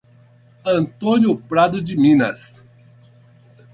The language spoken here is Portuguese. Antônio Prado de Minas